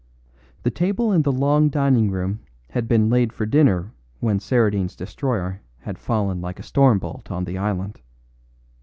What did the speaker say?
The table in the long dining room had been laid for dinner when Saradine's destroyer had fallen like a stormbolt on the island.